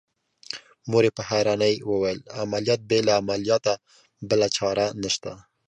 مور يې په حيرانۍ وويل عمليات بې له عملياته بله چاره نشته.